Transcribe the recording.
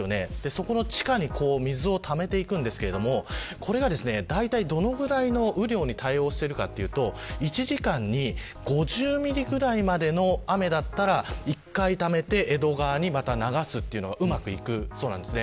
そこの地下に水をためていくんですがこれが、だいたいどのぐらいの雨量に対応しているかというと１時間に５０ミリくらいまでの雨だったら、１回ためて江戸川にまた流すというのがうまくいくそうなんです。